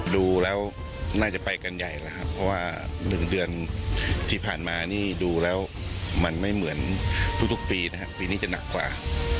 ดูแล้วน่าจะไปกันใหญ่แล้วครับเพราะว่า๑เดือนที่ผ่านมานี่ดูแล้วมันไม่เหมือนทุกปีนะครับปีนี้จะหนักกว่า